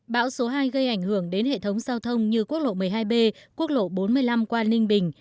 bão số hai gây ảnh hưởng đến hệ thống giao thông như quốc lộ một mươi hai b quốc lộ bốn mươi năm qua ninh bình